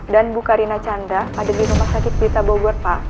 dan ibu karina chandra ada di rumah sakit dita bogor pak